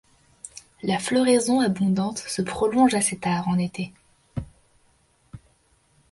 La floraison abondante se prolonge assez tard en été.